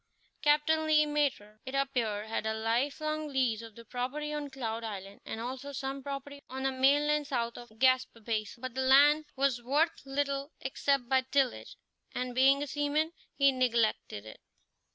Captain Le Maître, it appeared, had a life long lease of the property on Cloud Island, and also some property on the mainland south of Gaspé Basin; but the land was worth little except by tillage, and, being a seaman, he neglected it.